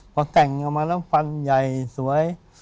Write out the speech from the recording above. พอแต่งออกมาแล้วฟันใหญ่สวย